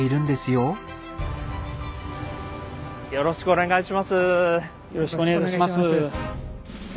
よろしくお願いします。